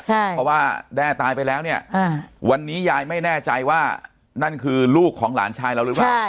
เพราะว่าแด้ตายไปแล้วเนี่ยวันนี้ยายไม่แน่ใจว่านั่นคือลูกของหลานชายเราหรือเปล่า